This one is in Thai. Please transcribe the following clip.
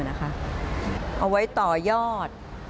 เอาไว้ต่อยอด